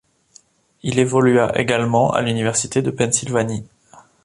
Il évolua également à l'Université de Pennsylvanie.